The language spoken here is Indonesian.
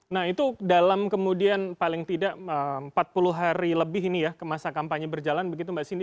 nah itu dalam kemudian paling tidak empat puluh hari lebih ini ya masa kampanye berjalan begitu mbak sindi